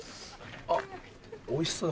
あっおいしそうだ